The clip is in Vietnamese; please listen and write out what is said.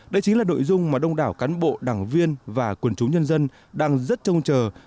đây chính là nội dung mà đông đảo cán bộ đảng viên và quần chúng nhân dân đang rất trông chờ